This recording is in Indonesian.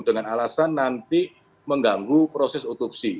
dengan alasan nanti mengganggu proses otopsi